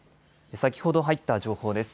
先ほど入った情報です。